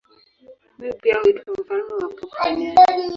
Huyu pia huitwa mfalme wa pop duniani.